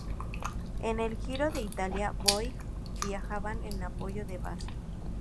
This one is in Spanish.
En el Giro de Italia, Voigt viajaban en apoyo de Basso.